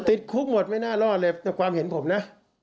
ติดคุกหมดไม่น่ารอดเลยแต่ความเห็นผมนะ